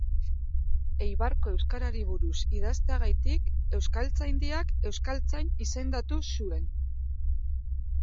Eibarko euskarari buruz idazteagatik Euskaltzaindiak euskaltzain izendatu zuen.